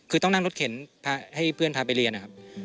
คือต้องนั่งรถเข็นให้เพื่อนพาไปเรียนนะครับ